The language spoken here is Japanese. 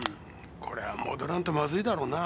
これは戻らんとまずいだろうなぁ。